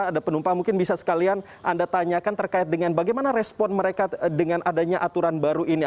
ada penumpang mungkin bisa sekalian anda tanyakan terkait dengan bagaimana respon mereka dengan adanya aturan baru ini